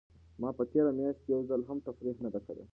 ما په تېره میاشت کې یو ځل هم تفریح نه ده کړې.